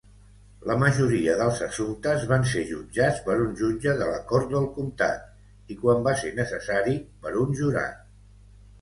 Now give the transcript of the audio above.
La majoria dels assumptes van ser jutjats per un jutge de la cort del comtat, i quan va ser necessari, per un jurat.